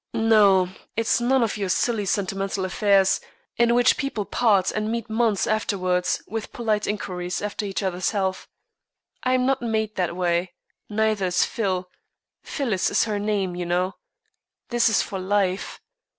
"No. It's none of your silly, sentimental affairs in which people part and meet months afterwards with polite inquiries after each other's health. I am not made that way; neither is Phil Phyllis is her name, you know. This is for life.